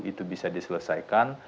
itu bisa diselesaikan